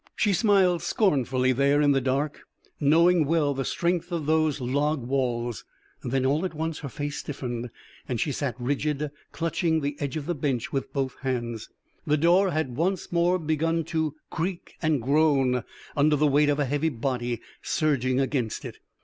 She smiled scornfully there in the dark, knowing well the strength of those log walls. Then, all at once her face stiffened and she sat rigid, clutching the edge of the bench with both hands. The door had once more begun to creak and groan under the weight of a heavy body surging against it.